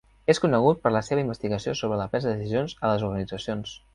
És conegut per la seva investigació sobre la presa de decisions a les organitzacions.